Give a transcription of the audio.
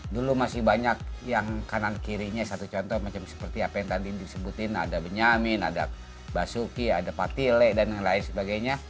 dulu masih banyak yang kanan kirinya satu contoh macam seperti apa yang tadi disebutin ada benyamin ada basuki ada patile dan lain sebagainya